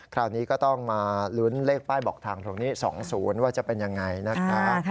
คราวนี้ก็ต้องมาลุ้นเลขป้ายบอกทางตรงนี้๒๐ว่าจะเป็นยังไงนะครับ